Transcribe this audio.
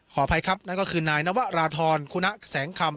อภัยครับนั่นก็คือนายนวราธรคุณะแสงคำ